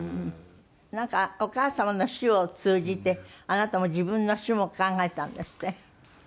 なんかお母様の死を通じてあなたも自分の死も考えたんですって？